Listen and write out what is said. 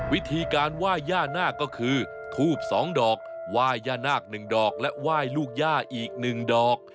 วิธีการว่ายย่านาคก็คือทูบสองดอกว่ายย่านาคหนึ่งดอกและว่ายลูกย่าอีกหนึ่งดอก